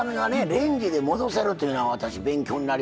レンジで戻せるというのが私勉強になりました。